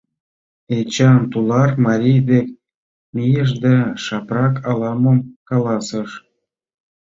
Эчан тулар марий дек мийыш да шыпрак ала-мом каласыш.